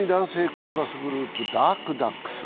コーラスグループ、ダークダックス。